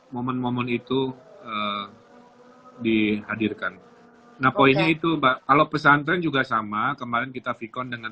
momen momen itu dihadirkan nah poinnya itu mbak kalau pesantren juga sama kemarin kita vkon dengan